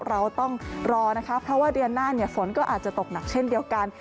เราต้องรอนะคะเพราะว่าเดือนหน้าฝนก็อาจจะตกหนักเช่นเดียวกัน